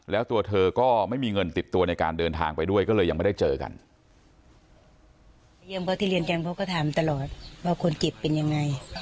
แล้วตัวเธอก็ไม่มีเงินติดตัวในการเดินทางไปด้วยก็เลยยังไม่ได้เจอกัน